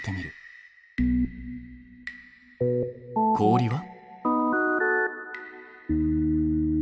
氷は？